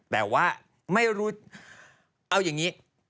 แต่ว่าไม่รู้เอาอย่างนี้